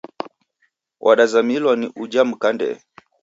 Wadazamilwa ni ujha mka ndee.